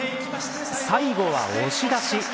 最後は押し出し。